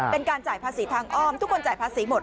เป็นการจ่ายภาษีทางอ้อมทุกคนจ่ายภาษีหมด